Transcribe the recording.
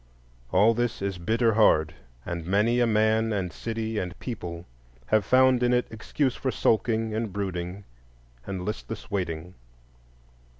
All this is bitter hard; and many a man and city and people have found in it excuse for sulking, and brooding, and listless waiting.